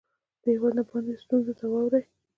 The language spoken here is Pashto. د هیواد نه باندې ستونځو ته واړوي